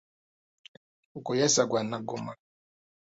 Ogwo yazza gwa Nnaggomola.